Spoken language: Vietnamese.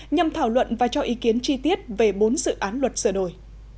nhằm thảo luận và cho ý kiến chi tiết về bốn dự án luật sửa đổi